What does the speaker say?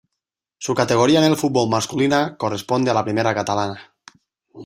Su categoría en el fútbol masculina corresponde a la Primera Catalana.